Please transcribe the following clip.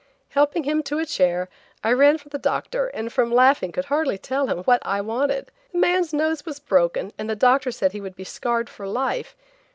Helping him to a chair, I ran for the doctor and from laughing could hardly tell him what I wanted. The man's nose was broken, and the doctor said he would be scarred for life.